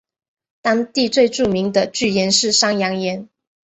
当地最著名的巨岩是山羊岩。